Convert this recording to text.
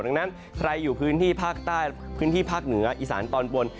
ดังนั้นใครอยู่พื้นที่ภาคใต้พื้นที่ภาคเหนืออีสานตอนบน